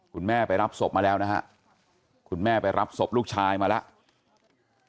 คุณแม่ไปรับศพมาแล้วนะฮะคุณแม่ไปรับศพลูกชายมาแล้ว